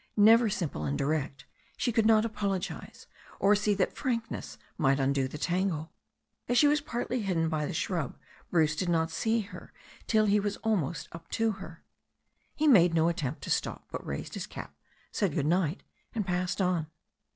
Never simple and direct, she could not apologize, or see that f rank« ness might undo the tangle. 28 THE STORY OF A NEW ZEALAND RIVER As she was partly hidden by the shrub Bruce did not see her till he was almost up to her. ' He made no attempt to stop, but raised his cap, said good night, and passed on.